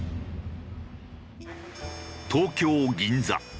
東京銀座。